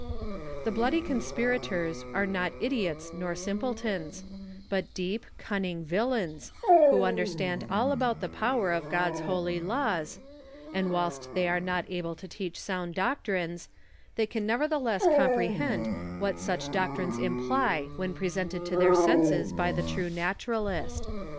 The bloody conspirators are not idiots nor simpletons, but deep, cunning villains, who understand all about tlie I)ower of God's holy laws ; and whilst they are not able to 62 THE SOCIAL WAR OF 1900; OR, teach sound doctrines, they can nevertheless comprehend Avhat such doctrines imply when presented to their senses by tlie true naturalist.